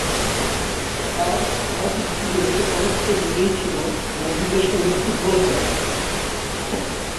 তার সামাজিক জীবনের অনেকটা জুড়েই ছিল বন্ধুদের সঙ্গে ফুটবল খেলার সময়টা।